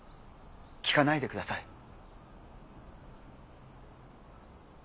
聞かないでください。